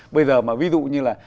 bây giờ mà ví dụ như là